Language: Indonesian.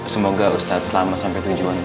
semoga ustadzah selama sampai tujuan